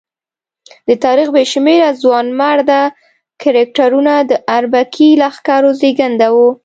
د تاریخ بې شمېره ځوانمراده کرکټرونه د اربکي لښکرو زېږنده وو.